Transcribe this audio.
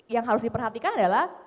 yang harus diperhatikan adalah